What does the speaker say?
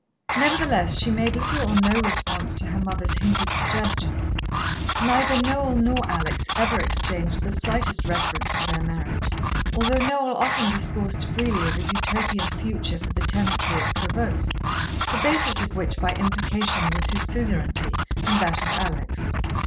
Nevertheless, she made little or no response to her mother's hinted suggestions. Neither Noel nor Alex ever exchanged the slightest reference to their marriage, although Noel often discoursed freely of a Utopian future for the tenantry at Trevose, the basis of which, by implication, was his suzerainty and that of Alex.